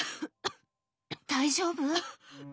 大丈夫？